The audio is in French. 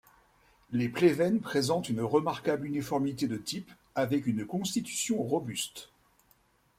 Les Pleven présentent une remarquable uniformité de type, avec une constitution robuste.